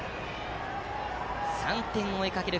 ３点追いかける